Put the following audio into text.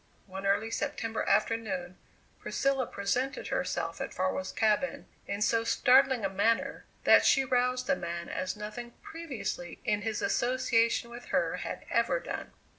One early September afternoon Priscilla presented herself at Farwell's cabin in so startling a manner that she roused the man as nothing previously in his association with her had ever done.